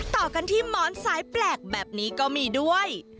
ต่อกันที่หมอนสายแปลกแบบนี้ก็มีด้วย